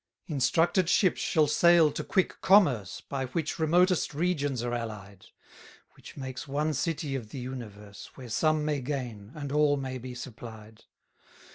163 Instructed ships shall sail to quick commerce, By which remotest regions are allied; Which makes one city of the universe, Where some may gain, and all may be supplied.